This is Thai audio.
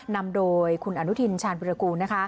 นำโดยคุณอนุทินชาญวิรากูล